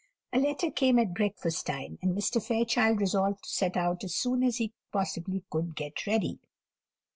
The letter came at breakfast time, and Mr. Fairchild resolved to set out as soon as he possibly could get ready.